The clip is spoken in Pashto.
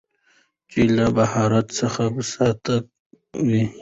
چې له بهارت څخه ساکستان،